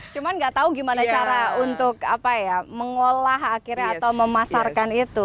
cuma tidak tahu bagaimana cara untuk mengolah atau memasarkan itu